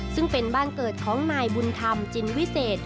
ซึ่งเป็นบ้านเกิดของนายบุญธรรมจินวิเศษ